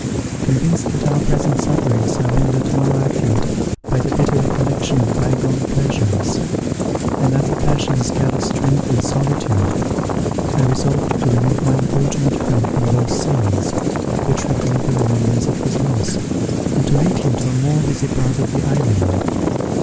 Convinced that our present sufferings are rendered more acute by the bitter recollection of bygone pleasures, and that the passions gather strength in solitude, I resolved to remove my unfortunate friend from those scenes which recalled the remembrance of his loss, and to lead him to a more busy part of the island.